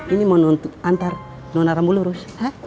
ini mau nuntuk antar nona rambu lurus